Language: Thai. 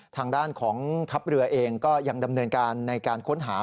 ทางด้านของทัพเรือเองก็ยังดำเนินการในการค้นหา